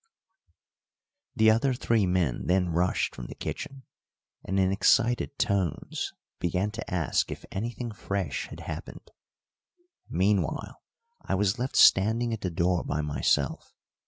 _ The other three men then rushed from the kitchen, and in excited tones began to ask if anything fresh had happened. Meanwhile I was left standing at the door by myself.